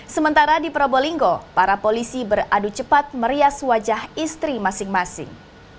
sementara di probolinggo para polisi beradu cepat merias wajah istri masing masing